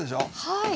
はい。